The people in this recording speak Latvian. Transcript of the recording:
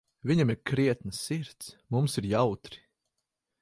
Viņam ir krietna sirds, mums ir jautri.